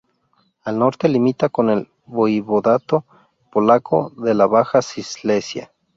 Al norte limita con el voivodato polaco de la Baja Silesia.